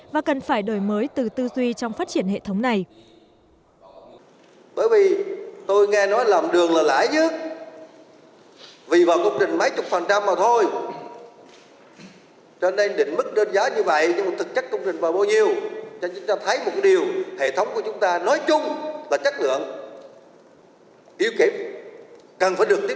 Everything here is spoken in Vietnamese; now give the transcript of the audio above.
và cần phải đổi mới từ tư duy trong phát triển hệ thống này